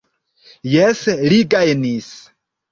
Jes, li gajnis.